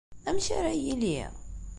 Amek ara yili?